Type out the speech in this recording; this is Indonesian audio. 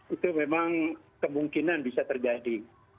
itu memang kemungkinan bisa terjadi